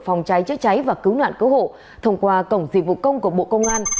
phòng cháy chữa cháy và cứu nạn cứu hộ thông qua cổng dịch vụ công của bộ công an